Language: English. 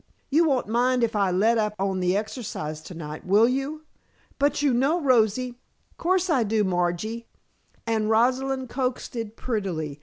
You won't mind if I let up on the exercise to night, will you?" "But you know, Rosie " "'Course I do, Margy," and Rosalind coaxed prettily.